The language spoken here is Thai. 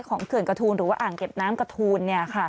เขื่อนกระทูลหรือว่าอ่างเก็บน้ำกระทูล